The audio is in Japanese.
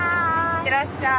いってらっしゃい。